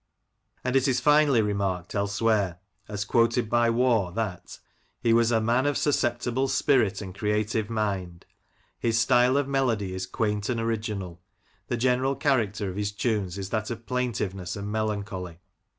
'* And it is finely remarked elsewhere, as quoted by Waugh, that— " He was a man of susceptible spirit and creative mind. His style of melody is quaint and original. The general character of his tunes is that of plaintiveness and melancholy.